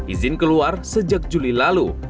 izin keluar sejak juli lalu